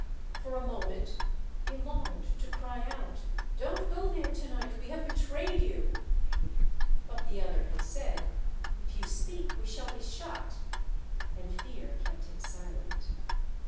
For a moment he longed to cry out, " Don't go there to night ! We have betrayed you." But the other had said, *' If you speak, we shall be shot," and fear kept him silent.